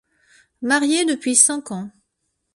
Marié depuis cinq ans.